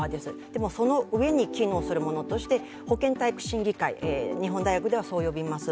でもその上に機能するものとして保健体育審議会、日本大学ではそう呼びます。